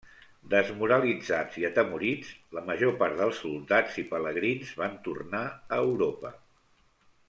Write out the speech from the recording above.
Desmoralitzats i atemorits, la major part dels soldats i pelegrins van tornar a Europa.